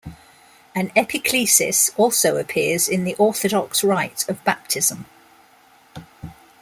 An epiclesis also appears in the Orthodox rite of Baptism.